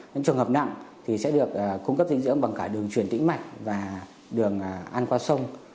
những trường hợp nặng thì sẽ được cung cấp dinh dưỡng bằng cả đường truyền tĩnh mạnh và đường ăn qua sông